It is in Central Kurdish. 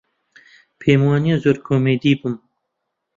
پێم وا نییە زۆر کۆمیدی بم.